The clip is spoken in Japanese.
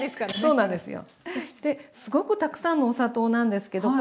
そうなんですよ。